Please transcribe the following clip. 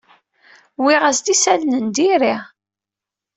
Wwiɣ-as-d isalan n diri.